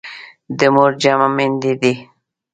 د مور جمع میندي دي.